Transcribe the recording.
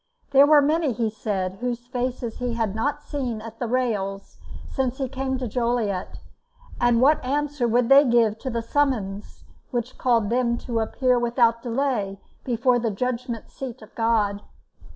There were many, he said, whose faces he had never seen at the rails since he came to Joliet; and what answer would they give to the summons which called them to appear without delay before the judgment seat of God?